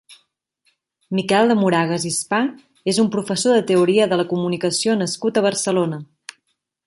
Miquel de Moragas i Spà és un professor de Teoria de la Comunicació nascut a Barcelona.